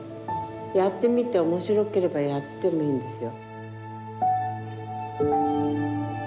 やってみて面白ければやってもいいんですよ。